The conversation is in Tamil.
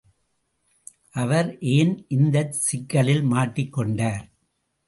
அவர் ஏன் இந்தச் சிக்கலில் மாட்டிக் கொண்டார்?